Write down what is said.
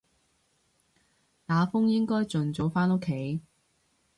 打風應該盡早返屋企